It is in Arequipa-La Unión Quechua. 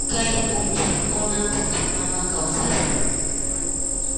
Kay pʼunchawkunam Pachamama kawsachkan.